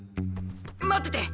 待ってて。